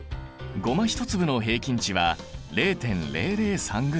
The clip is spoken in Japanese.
ゴマ１粒の平均値は０．００３ｇ。